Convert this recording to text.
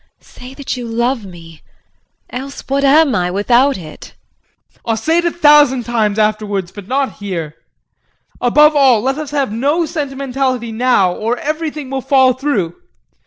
Say that you love me else, what am I, without it? JEAN. I'll say it a thousand times afterwards, but not here. Above all, let us have no sentimentality now or everything will fall through.